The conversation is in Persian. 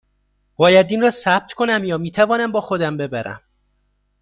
باید این را ثبت کنم یا می توانم با خودم ببرم؟